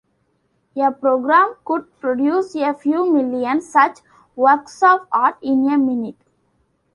A program could produce a few million such 'works of art' in a minute.